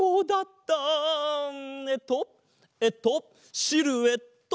えっとえっとシルエット！